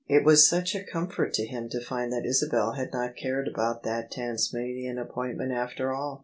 It was such a comfort to him to find that Isabel had not cared about that Tasmanian appointment after all